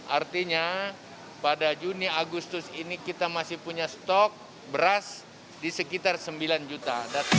artinya pada juni agustus ini kita masih punya stok beras di sekitar sembilan juta